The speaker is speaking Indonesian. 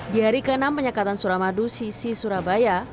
di hari ke enam penyekatan suramadu sisi surabaya